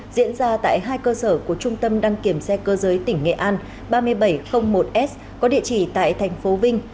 diễn ra tại hai cơ sở của trung tâm đăng kiểm xe cơ giới tỉnh nghệ an ba nghìn bảy trăm linh một s có địa chỉ tại thành phố vinh